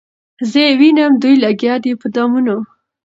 زه یې وینم دوی لګیا دي په دامونو